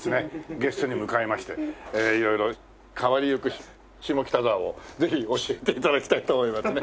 ゲストに迎えまして色々変わりゆく下北沢をぜひ教えて頂きたいと思いますね。